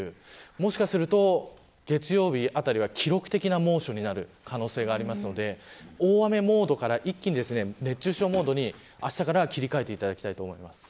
もしかすると月曜日あたりは記録的な猛暑になる可能性がありますので大雨モードから一気に熱中症モードにあしたからは切り替えていただきたい